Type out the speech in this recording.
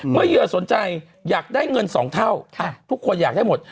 เหยื่อสนใจอยากได้เงิน๒เท่าทุกคนอยากได้หมด